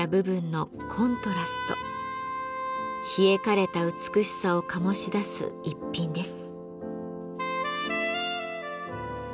冷え枯れた美しさをかもし出す一品です。